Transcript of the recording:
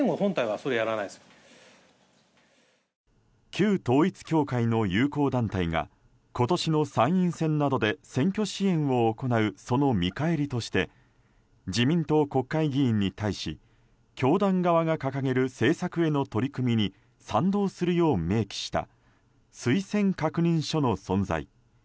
旧統一教会の友好団体が今年の参院選などで選挙支援を行うその見返りとして自民党国会議員に対し教団側が掲げる政策への取り組みに賛同するよう明記した推薦確認書の存在。